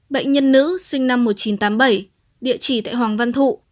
bệnh nhân nữ sinh năm một nghìn chín trăm tám mươi bảy địa chỉ tại hoàng văn thụ